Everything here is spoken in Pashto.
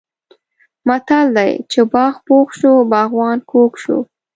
متل دی: چې باغ پوخ شو باغوان کوږ شو.